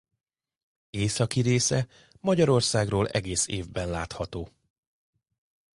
Északi része Magyarországról egész évben látható.